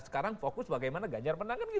sekarang fokus bagaimana ganjar menangkan gitu